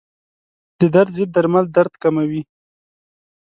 د درد ضد درمل درد کموي.